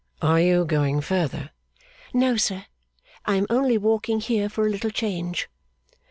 'Are you going further?' 'No, sir, I am only walking here for a little change.